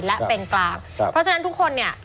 และเป็นกลางครับเพราะฉะนั้นทุกคนเนี่ย